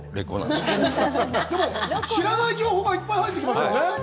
でも知らない情報がいっぱい入ってきますよね。